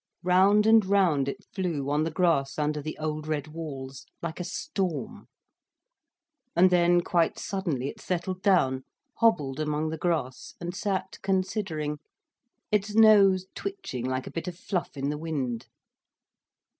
Round and round it flew, on the grass under the old red walls like a storm. And then quite suddenly it settled down, hobbled among the grass, and sat considering, its nose twitching like a bit of fluff in the wind.